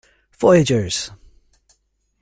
Voyagers!